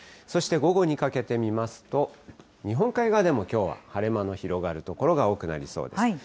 そして午後にかけて見ますと、日本海側でもきょうは、晴れ間の広がる所が多くなりそうです。